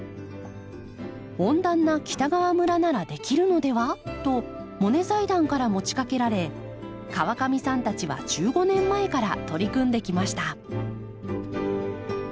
温暖な北川村ならできるのではとモネ財団から持ちかけられ川上さんたちは１５年前から取り組んできました。